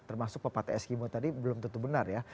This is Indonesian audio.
termasuk pepatah eskimo tadi belum tentu benar ya